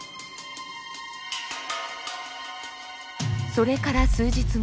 それから数日後。